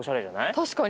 確かに。